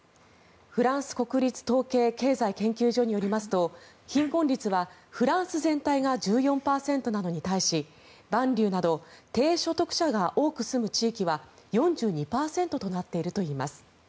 フランス国立統計経済研究所によりますと貧困率はフランス全体が１４％なのに対しバンリューなど低所得者が多く住む地域は４２％となっているといいます。